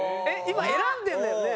今選んでるのよね？